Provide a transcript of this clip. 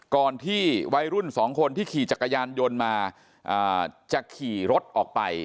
ก่อนที่วัยรุ่นสองคนที่ขี่จักรยานยนต์มาจะขี่รถออกไป